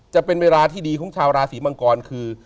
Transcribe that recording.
จะเป็นเวลาที่ดีของชาวราศีมังกรคือ